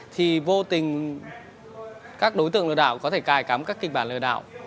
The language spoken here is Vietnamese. thì vô tình các đối tượng lợi đạo có thể cài cắm các kịch bản lợi đạo